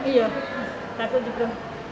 iya takut juga